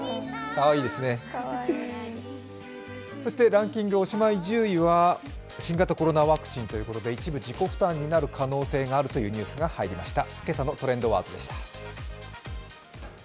ランキング、おしまい１０位は新型コロナワクチンということで一部自己負担になる可能性があるというニュースが入りました。